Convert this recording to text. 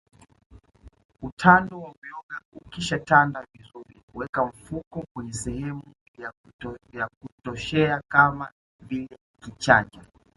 Utando wa uyoga ukishatanda vizuri weka mifuko kwenye sehemu ya kuoteshea kama vile kichanja